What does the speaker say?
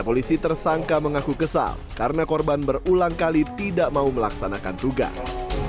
polisi tersangka mengaku kesal karena korban berulang kali tidak mau melaksanakan tugas